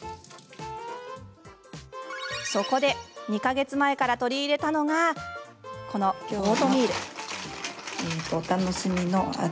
そこで２か月前から取り入れたのがオートミール。